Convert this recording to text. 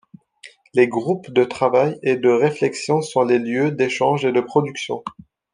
Les groupes de travail et de réflexion sont les lieux d’échange et de production.